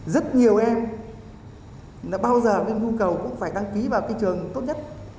rất nhiều em bao giờ nguyên khu cầu cũng phải đăng ký vào cái trường tốt nhất